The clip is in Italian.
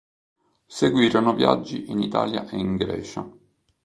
Seguirono viaggi in Italia e in Grecia.